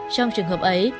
trong trường hợp ấy